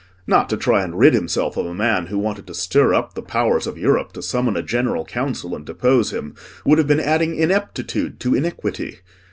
Not to try and rid himself of a man who wanted to stir up the Powers of Europe to summon a General Council and depose him, would have been adding ineptitude to iniquity.